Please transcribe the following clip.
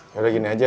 yaudah gini aja